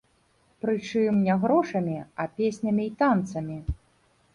Прычым, не грошамі, а песнямі і танцамі.